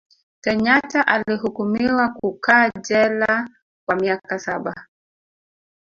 kenyata alihukumiwa kukaa jela kwa miaka saba